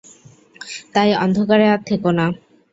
তাই অন্ধকারে আর থেকো না।